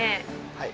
はい。